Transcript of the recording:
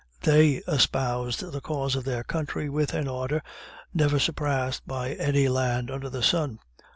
They espoused the cause of their country with an ardour never surpassed in any land under the sun.